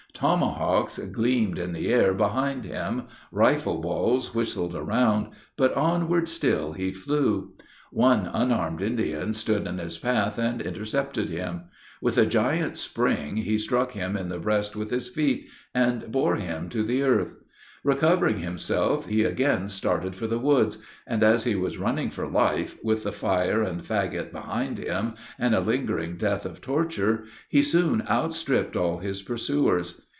Tomahawks gleamed in the air behind him rifle balls whistled around but onward still he flew. One unarmed Indian stood in his path and intercepted him. With a giant spring, he struck him in the breast with his feet, and bore him to the earth. Recovering himself, he again started for the woods, and, as he was running for life with the fire and faggot behind him, and a lingering death of torture he soon outstripped all his pursuers.